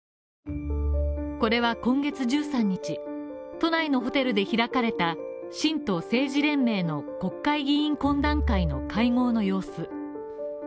これは今月１３日、都内のホテルで開かれた神道政治連盟の国会議員懇談会の会合の様子。